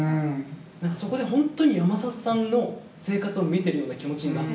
なんかそこで本当に山里さんの生活を見てるような気持ちになった。